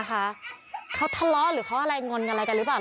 เขาทะเลาะหรือเขาอะไรงอนอะไรกันหรือเปล่า